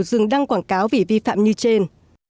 dừng đăng quảng cáo vì vi phạm như trên